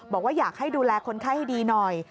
บอกว่าอยากให้ดูแลคนไข้ให้ดีหน่อย